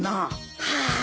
はあ。